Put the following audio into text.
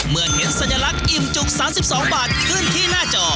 เมื่อเห็นสัญลักษณ์อิ่มจุก๓๒บาทขึ้นที่หน้าจอ